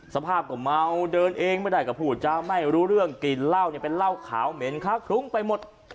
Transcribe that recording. สภาพก็เมาเดินเองไม่ได้ก็พูดจะไม่รู้เรื่องกลิ่นเหล้าเนี่ยเป็นเหล้าขาวเหม็นค้าคลุ้งไปหมด